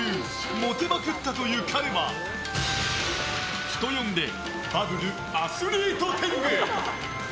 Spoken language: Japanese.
モテまくったという彼は人呼んでバブル・アスリート天狗！